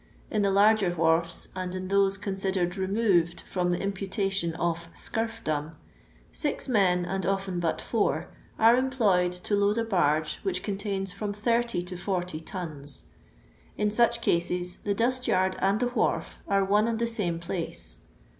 In the larger wharfs, and in those considered removed from the imputation of " scnrfdom," six men, and often bnt four, are employed to load a barge which contains from 30 to 40 tons. In such cases the dust yard and the wharf are one and the same place.